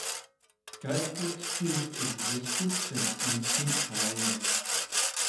Guidebooks have existed since Ancient times.